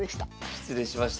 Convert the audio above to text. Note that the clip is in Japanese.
失礼しました。